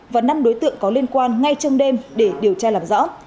và năm đối tượng có liên quan ngay trong đêm để điều tra làm rõ